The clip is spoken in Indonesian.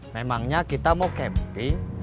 memangnya kita mau camping